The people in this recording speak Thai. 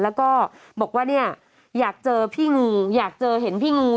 แล้วก็บอกว่าเนี่ยอยากเจอพี่งูอยากเจอเห็นพี่งู